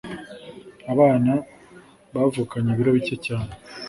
abana bavukanye ibiro bike cyane